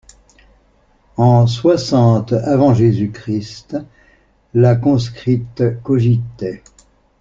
En soixante avant Jésus-Christ, la conscrite cogitait.